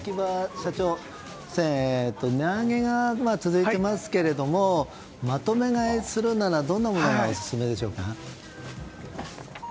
社長値上げが続いていますけれどもまとめ買いするならどんなものがオススメでしょうか。